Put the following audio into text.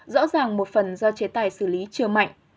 rõ ràng một phần do chế tài xử lý chưa mạnh